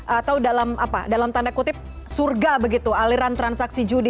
atau dalam tanda kutip surga begitu aliran transaksi judi